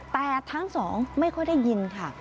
แต่ทั้งสองไม่ค่อยได้ยินค่ะ